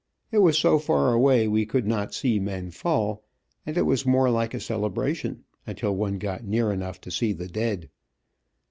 It was so far away we could not see men fall, and it was more like a celebration, until one got near enough to see the dead.